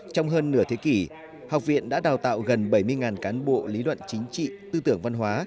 trong hơn nửa thế kỷ học viện đã đào tạo gần bảy mươi cán bộ lý luận chính trị tư tưởng văn hóa